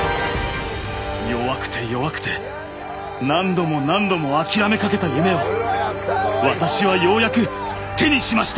弱くて弱くて何度も何度も諦めかけた夢を私はようやく手にしました。